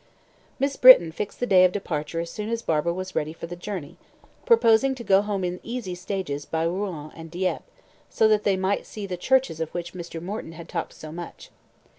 Miss Britton fixed the day of departure as soon as Barbara was ready for the journey, proposing to go home in easy stages by Rouen and Dieppe, so that they might see the churches of which Mr. Morton had talked so much.